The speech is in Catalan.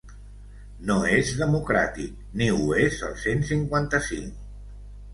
No és democràtic, ni ho és el cent cinquanta-cinc.